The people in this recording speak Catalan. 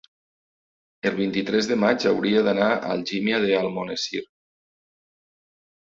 El vint-i-tres de maig hauria d'anar a Algímia d'Almonesir.